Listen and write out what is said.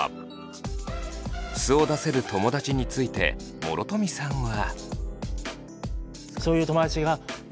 素を出せる友だちについて諸富さんは。